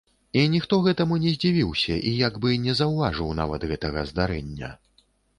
І ніхто гэтаму не здзівіўся і як бы не заўважыў нават гэтага здарэння.